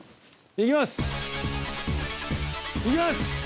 いきます！